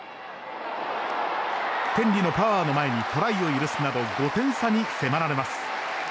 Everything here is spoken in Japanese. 天理のパワーの前にトライを許すなど５点差に迫られます。